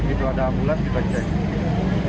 itu ada ambulans kita cek